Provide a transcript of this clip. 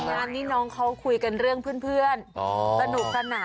แต่งานนี้น้องเขาคุยกันเรื่องเพื่อน